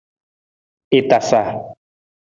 I tasa.